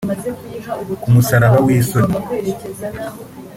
Ku musaraba w’isoni